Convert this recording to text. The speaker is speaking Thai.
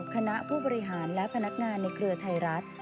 คณะผู้บริหารและพนักงานในเครือไทยรัฐ